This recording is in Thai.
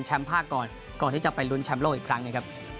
ช้ำป่าก่อนก่อนที่จะไปรุมแต่ในคลาย